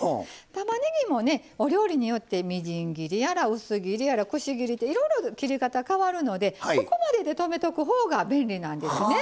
たまねぎもねお料理によってみじん切りやら薄切りやらくし切りっていろいろ切り方変わるのでここまでで止めとく方が便利なんですね。